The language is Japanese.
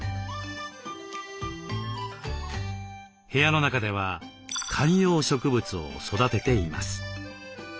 部屋の中では観葉植物を育てています。